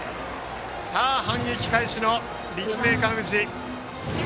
反撃開始の立命館宇治。